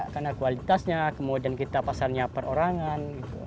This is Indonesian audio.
karena kualitasnya kemudian kita pasarnya perorangan